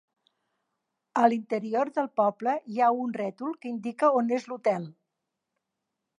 A l'interior del poble hi ha un rètol que indica on és l'hotel.